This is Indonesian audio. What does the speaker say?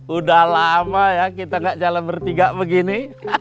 udah lama ya kita gak jalan bertiga begini